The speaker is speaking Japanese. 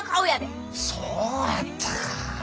そうやったかなあ？